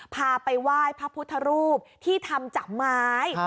พาไปว่ายพระพุทธรูปที่ทำจากไม้ครับ